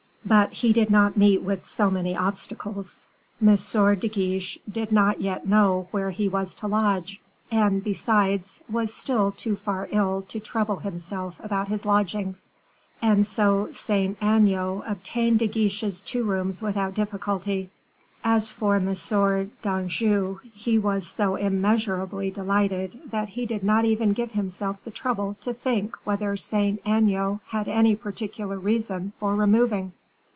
But he did not meet with so many obstacles. M. de Guiche did not yet know where he was to lodge, and, besides, was still too far ill to trouble himself about his lodgings; and so Saint Aignan obtained De Guiche's two rooms without difficulty. As for M. Dangeau, he was so immeasurably delighted, that he did not even give himself the trouble to think whether Saint Aignan had any particular reason for removing.